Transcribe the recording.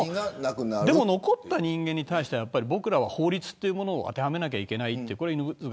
でも、残った人間に対しては僕らは法律というものを当てはめなきゃいけない。